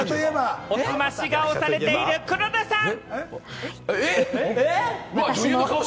すまし顔をされている黒田さん。